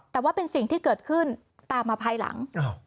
แต่ว่าเป็นสิ่งที่เกิดขึ้นตามมาภายหลัง